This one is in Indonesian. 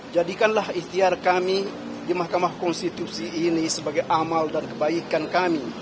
jadikanlah ikhtiar kami di mahkamah konstitusi ini sebagai amal dan kebaikan kami